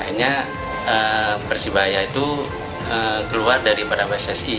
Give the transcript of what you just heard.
akhirnya persebaya itu keluar dari para pssi